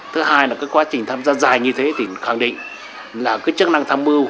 thứ hai là cái quá trình tham gia dài như thế thì khẳng định là cái chức năng tham mưu